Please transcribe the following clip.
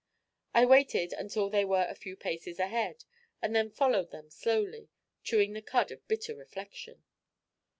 I waited until they were a few paces ahead, and then followed them slowly, chewing the cud of bitter reflection.